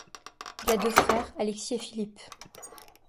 Il a deux frères, Alexis et Philippe.